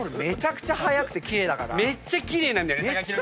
めっちゃ奇麗なんだよね。